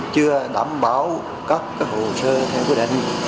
chưa đảm bảo cấp hồ sơ theo quy định